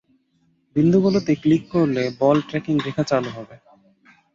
বিন্দুগুলোতে click করলে ball tracking রেখা চালু হবে।